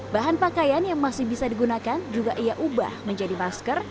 bahan pakaian yang masih bisa digunakan juga ia ubah menjadi masker